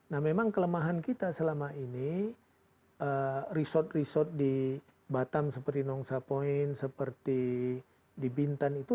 nah memang kelemahan kita selama ini resort resort di batam seperti nongsa point seperti di bintan itu